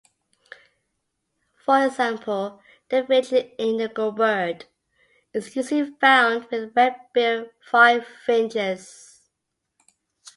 For example, the village indigobird is usually found with red-billed firefinches.